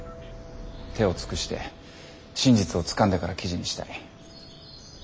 手を尽くして真実をつかんでから記事にしたい。